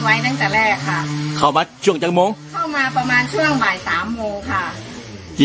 ไหวตั้งแต่แรกค่ะคราวบัทร่วมกิโหมงเข้ามาประมาณเชื้อไป๓โมงค่ะ